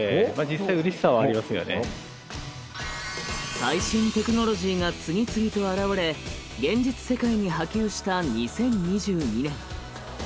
最新テクノロジーが次々と現れ現実世界に波及した２０２２年。